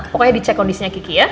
pokoknya dicek kondisinya kiki ya